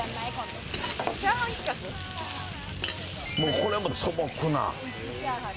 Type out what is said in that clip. これはもう素朴な。